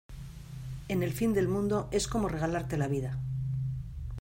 en el fin del mundo es como regalarte la vida.